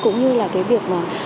cũng như là cái việc